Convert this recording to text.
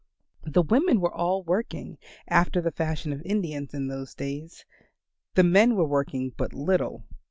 The women were all working, after the fashion of Indians in those days; the men were working but little.